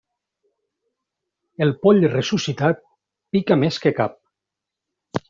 El poll ressuscitat pica més que cap.